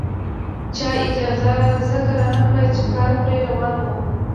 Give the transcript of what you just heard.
چا اجازه ځکه رانکړه چې کار پرې روان وو.